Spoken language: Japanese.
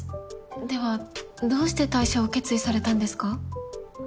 ではどうして退社を決意されたんですか？